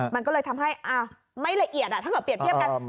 มันก็เลยทำให้ไม่ละเอียดถ้าเกิดเปรียบเทียบกัน